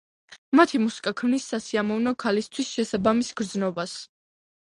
მათი მუსიკა ქმნის სასიამოვნო, ქალისთვის შესაბამის გრძნობას.